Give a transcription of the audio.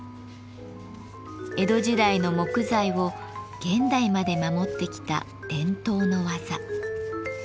江戸時代の木材を現代まで守ってきた伝統の技。